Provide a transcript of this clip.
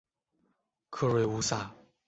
克瑞乌萨。